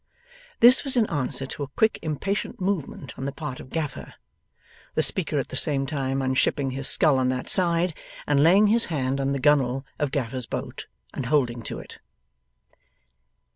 This was in answer to a quick impatient movement on the part of Gaffer: the speaker at the same time unshipping his scull on that side, and laying his hand on the gunwale of Gaffer's boat and holding to it.